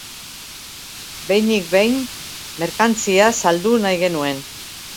Behinik behin merkantzia saldu nahi genuen.